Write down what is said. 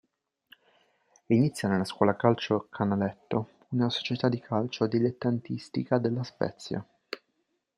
Inizia nella scuola calcio Canaletto, una società di calcio dilettantistica della Spezia.